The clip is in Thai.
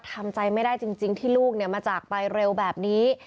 ทำใจไม่ได้จริงที่ลูกมาจากไปเร็วแบบนี้